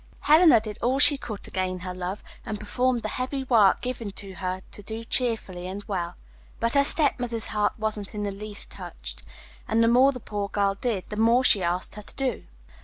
Helena did all she could to gain her love, and performed the heavy work given her to do cheerfully and well; but her stepmother's heart wasn't in the least touched, and the more the poor girl did the more she asked her to do.